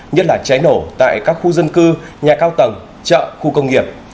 nhất là cháy nổ tại các khu dân cư nhà cao tầng chợ khu công nghiệp